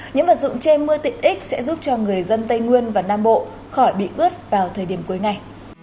những vật dụng che mưa tiện ích sẽ giúp cho người dân tây nguyên và nam bộ khỏi bị ướt vào thời điểm cuối ngày